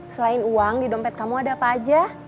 selain uang di dompet kamu ada apa aja